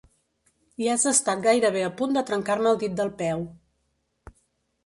I has estat gairebé a punt de trencar-me el dit del peu.